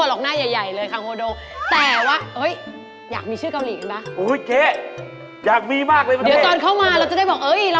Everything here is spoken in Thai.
ก็ไปหากินดิร้านในเมืองไทยต้องเยอะต้องแยะ